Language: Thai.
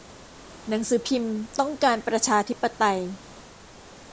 หนังสือพิมพ์ต้องการประชาธิปไตย